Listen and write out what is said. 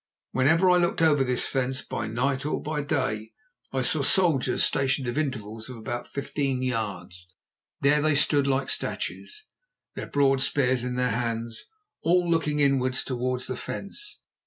Whenever I looked over this fence, by night or by day, I saw soldiers stationed at intervals of about fifteen yards. There they stood like statues, their broad spears in their hands, all looking inwards towards the fence.